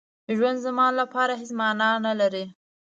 ژوند زما لپاره هېڅ مانا نه لري.